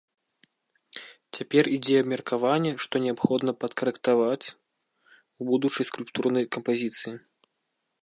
Цяпер ідзе абмеркаванне, што неабходна падкарэктаваць у будучай скульптурнай кампазіцыі.